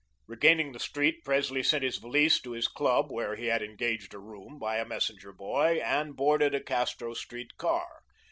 Regaining the street, Presley sent his valise to his club (where he had engaged a room) by a messenger boy, and boarded a Castro Street car.